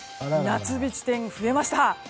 夏日地点が増えました。